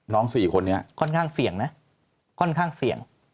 ๔คนนี้ค่อนข้างเสี่ยงนะค่อนข้างเสี่ยง